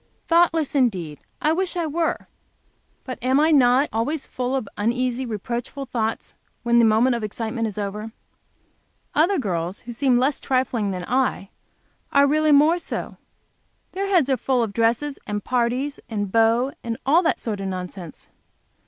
"Thoughtless" indeed! I wish I were! But am I not always full of uneasy, reproachful thoughts when the moment of excitement is over? Other girls, who seem less trifling than I, are really more so. Their heads are full of dresses and parties and beaux, and all that sort of nonsense.